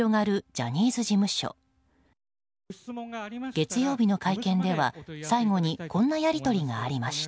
月曜日の会見では、最後にこんなやり取りがありました。